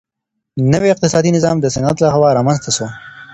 نوی اقتصادي نظام د صنعت لخوا رامنځته سو.